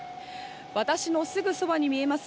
私のすぐそばに見えます